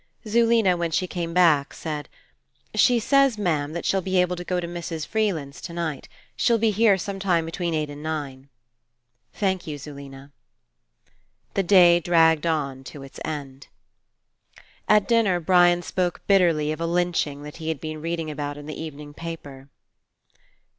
Zulena, when she came back, said: "She says, ma'am, that she'll be able to go to Mrs. Freeland's tonight. She'll be here some time be tween eight and nine." "Thank you, Zulena." The day dragged on to its end. At dinner Brian spoke bitterly of a lynching that he had been reading about in the evening paper.